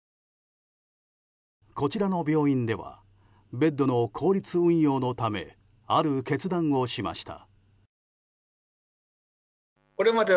こちらの病院ではベッドの効率運用のためある決断をしました。